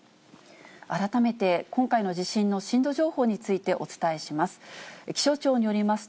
改めて今回の地震の震度情報についてお伝えします。